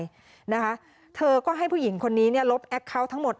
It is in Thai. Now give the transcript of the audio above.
เค้าก็ให้ผู้หญิงคนนี้ลบแอคเคาน์ทั้งหมด